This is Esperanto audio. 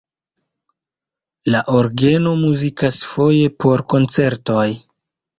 La orgeno muzikas foje por koncertoj.